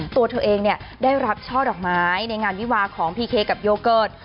ตัวเธอเองได้รับช่อดอกไม้ในงานวิวาของพีเคกับโยเกิร์ต